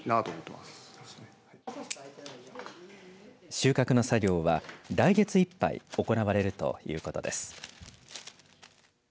収穫の作業は来月いっぱい行われるということです。